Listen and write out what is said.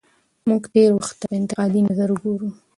موږ تېر وخت ته په انتقادي نظر ګورو.